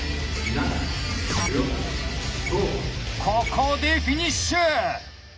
ここでフィニッシュ！